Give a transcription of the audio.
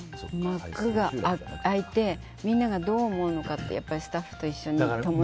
幕が開いてみんながどう思うかってスタッフと共に。